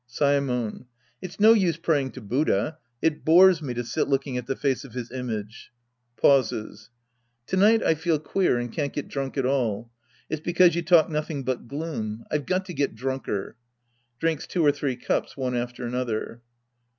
Saemon. It's no use praying to Buddha. It bores me to sit looking at the face of his image. {Pauses.) To night I feel queer and can't get drunk at all. It's because you talk nothing but gloom. I've got to get drunker. {Drinks two or three cups one after another!)